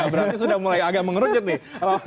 berarti sudah mulai agak mengerucut nih